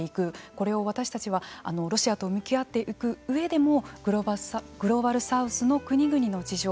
これを私たちはロシアと向き合っていく上でもグローバルサウスの国々の事情